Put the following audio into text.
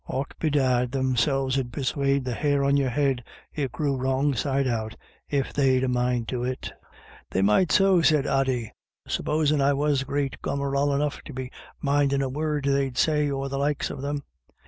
Och bedad, them selves 'ud persuade the hair on your head it grew wrong side out, if they'd a mind to it." 308 IRISH IDYLLS. " They might so," said Ody, " supposin* I was great gomeral enough to be mindin' a word they'd say or the likes of them."